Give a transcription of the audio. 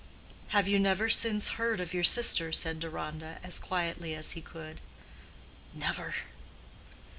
"Have you never since heard of your sister?" said Deronda, as quietly as he could. "Never.